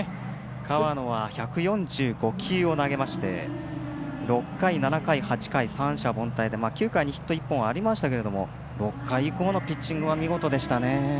河野は１４５球を投げ６回７回８回と三者凡退で９回にヒット１本ありましたが６回以降のピッチングは見事でしたね。